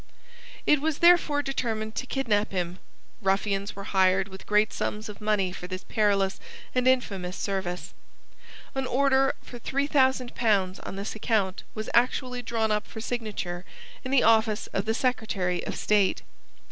It was therefore determined to kidnap him. Ruffians were hired with great sums of money for this perilous and infamous service. An order for three thousand pounds on this account was actually drawn up for signature in the office of the Secretary of State.